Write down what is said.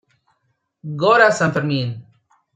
Gora San Fermín!...